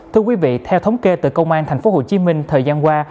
thưa quý vị theo thống kê từ công an tp hcm thời gian qua